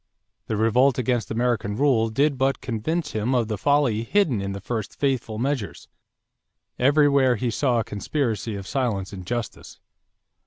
The revolt against American rule did but convince him of the folly hidden in the first fateful measures. Everywhere he saw a conspiracy of silence and injustice.